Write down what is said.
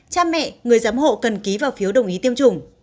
cha mẹ người giám hộ cần ký vào phiếu đồng ý tiêm chủng